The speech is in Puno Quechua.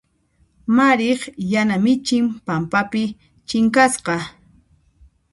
Mariq yana michin pampapi chinkasqa.